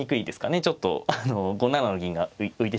ちょっと５七の銀が浮いてしまうので。